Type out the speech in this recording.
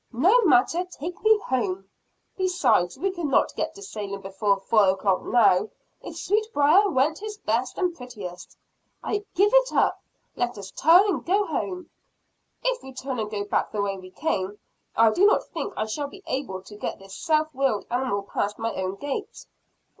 "No matter. Take me home." "Besides, we could not get to Salem before four o'clock now, if Sweetbriar went his best and prettiest." "I give it up. Let us turn and go home." "If we turn and go back the way we came, I do not think I shall be able to get this self willed animal past my own gate."